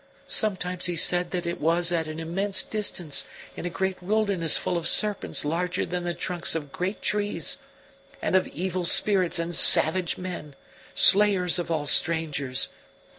Sometimes he said that it was at an immense distance, in a great wilderness full of serpents larger than the trunks of great trees, and of evil spirits and savage men, slayers of all strangers.